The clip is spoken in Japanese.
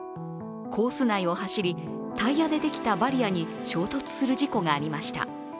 コース内を走り、タイヤでできたバリアに衝突する事故がありました。